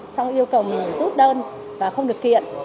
xong yêu cầu mình rút đơn và không được kiện